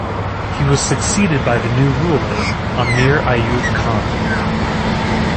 He was succeeded by the new ruler, Amir Ayub Khan.